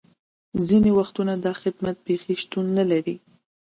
ځینې وختونه دا خدمات بیخي شتون نه لري